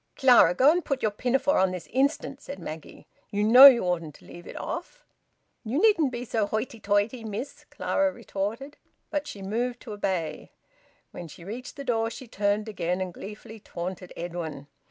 "Clara, go and put your pinafore on this instant!" said Maggie. "You know you oughtn't to leave it off." "You needn't be so hoity toity, miss," Clara retorted. But she moved to obey. When she reached the door she turned again and gleefully taunted Edwin.